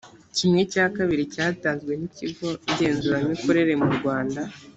kimwe cya kabiri cyatanzwe n ikigo ngezuramikorere mu rwanda